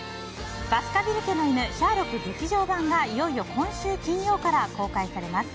「バスカヴィル家の犬シャーロック劇場版」がいよいよ今週金曜から公開されます。